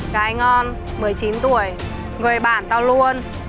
gái ngon một mươi chín tuổi người bản tao luôn